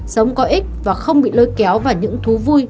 sống có ích và không bị lôi kéo vào những thú vui